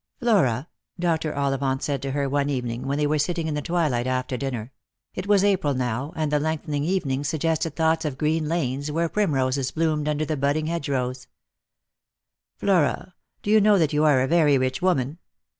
" Flora," Dr. Ollivant said to her one evening, when they were sitting in the twilight after dinner — it was April now, and the lengthening evenings suggested thoughts of green lanes where primroses bloomed under the budding hedgerows —" Flora, do you know that you are a very rich woman